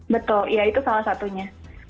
betul ya itu salah satunya